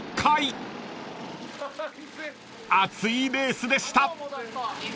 ［熱いレースでした］